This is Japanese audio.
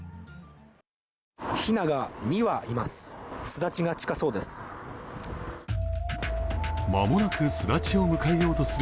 ひなが２羽います。